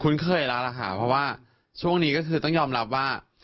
เคยแล้วล่ะค่ะเพราะว่าช่วงนี้ก็คือต้องยอมรับว่า